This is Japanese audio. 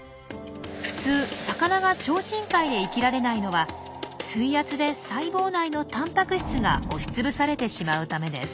普通魚が超深海で生きられないのは水圧で細胞内のたんぱく質が押しつぶされてしまうためです。